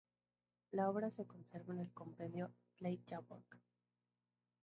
La obra se conserva en el compendio "Flateyjarbók".